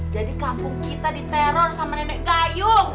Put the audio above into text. jadi kampung kita diteror sama nenek gayung